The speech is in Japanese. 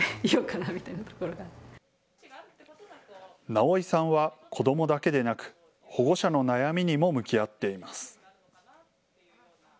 直井さんは子どもだけでなく保護者の悩みにも向き合っています。